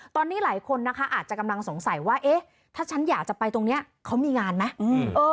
ตอนนี้หลายคนนะคะอาจจะกำลังสงสัยว่าเอ๊ะถ้าฉันอยากจะไปตรงนี้เขามีงานไหม